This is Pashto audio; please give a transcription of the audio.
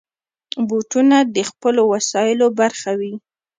بوټونه د خپلو وسایلو برخه وي.